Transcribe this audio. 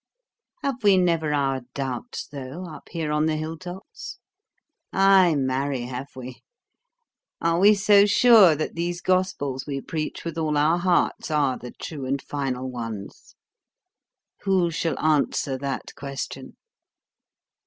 Have we never our doubts, though, up here on the hill tops? Ay, marry, have we! Are we so sure that these gospels we preach with all our hearts are the true and final ones? Who shall answer that question?